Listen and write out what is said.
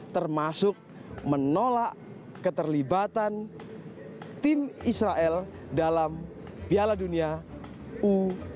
termasuk menolak keterlibatan tim israel dalam piala dunia u dua puluh